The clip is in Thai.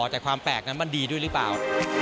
แต่ความแปลกนั้นมันดีด้วยหรือเปล่า